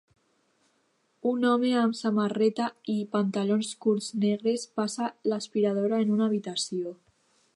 Un home amb samarreta i pantalons curts negres passa l'aspiradora en una habitació